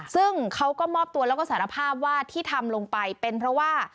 ซึ่งเขาก็มอบตัวแล้วก็สารภาพว่าที่ทำลงไปเป็นเพราะว่า